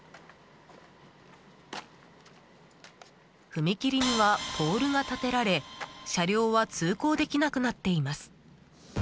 踏切にはポールが立てられ車両は通行できなくなっています。